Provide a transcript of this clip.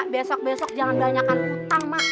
besok besok jangan banyak hutang mak